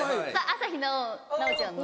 朝日奈央ちゃんの。